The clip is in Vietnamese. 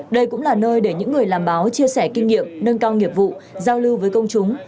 đây cũng là nơi để những người làm báo chia sẻ kinh nghiệm nâng cao nghiệp vụ giao lưu với công chúng